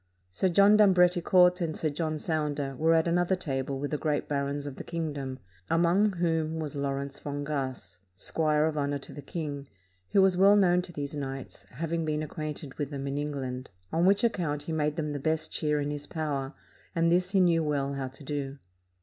Sir John d'Ambreticourt and Sir John Sounder were at another table with the great barons of the king dom, among whom was Lawrence Fongasse, squire of honor to the king, who was well known to these knights, having been acquainted with them in England; on which account he made them the best cheer in his power, and this he knew well how to do.